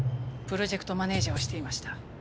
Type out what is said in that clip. プロジェクトマネージャーをしていました。